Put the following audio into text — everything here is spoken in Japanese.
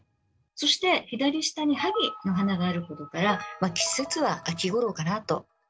そして左下に萩の花があることから季節は秋ごろかなと。